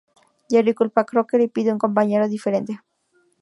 Jerry culpa a Crocker y pide un compañero diferente.